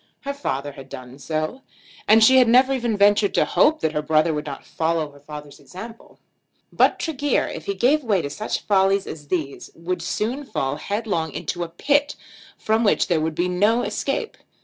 Her father had done so, and she had never even ventured to hope that her brother would not follow her father's example. But Tregear, if he gave way to such follies as these, would soon fall headlong into a pit from which there would be no escape.